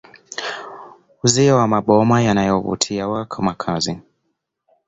Uzio wa maboma yao wanayoyatumia kama makazi